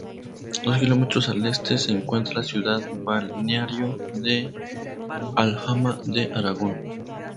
Dos kilómetros al este se encuentra la ciudad balneario de Alhama de Aragón.